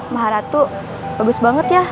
mahalatuh bagus banget ya